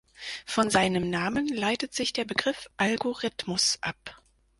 Von seinem Namen leitet sich der Begriff "Algorithmus" ab.